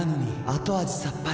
後味さっぱり．．．